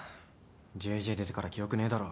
ＪＪ出てから記憶ねえだろ。